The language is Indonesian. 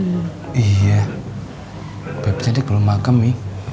oh iya beb cantik belum makan mi